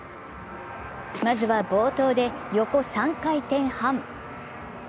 まずは冒頭で、横３回転半。